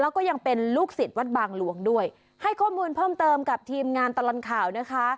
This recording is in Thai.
แล้วก็ยังเป็นลูกศิษย์วัดบางหลวงด้วยให้ข้อมูลเพิ่มเติมกับทีมงานตลอดข่าวนะคะ